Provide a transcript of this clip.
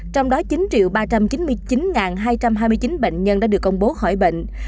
trong đó chín ba trăm chín mươi chín hai trăm hai mươi chín bệnh nhân đã được công bố khỏi bệnh